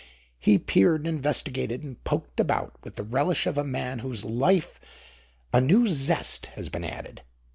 He peered and investigated and poked about with the relish of a man to whose life a new zest has been added.